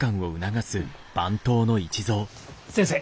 先生